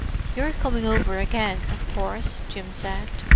"You're coming over again, of course?" Jim said.